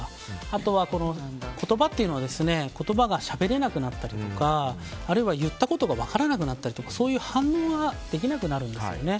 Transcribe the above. あとは言葉というのは言葉がしゃべれなくなったりとかあるいは言ったことが分からなくなったりとかそういう反応ができなくなるんですよね。